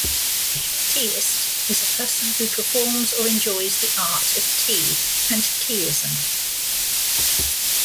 Teaist is a person who performs or enjoys the art of tea and teaism.